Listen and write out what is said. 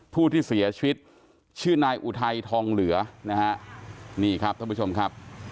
ผู้ที่เสียชีวิตชื่อนายอุทัยทองเหลือนะฮะนี่ครับท่านผู้ชมครับ